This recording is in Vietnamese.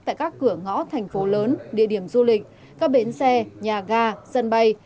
tại các cửa ngõ thành phố lớn địa điểm du lịch các bến xe nhà ga sân bay